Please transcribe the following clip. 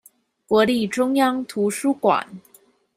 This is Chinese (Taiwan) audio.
國立中央圖書館